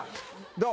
どう？